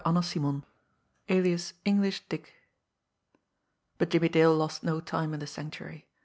CHAPTER XVIII ALIAS ENGLISH DICK But Jimmie Dale lost no time in the Sanctuary.